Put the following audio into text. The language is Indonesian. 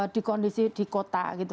di kondisi di kota gitu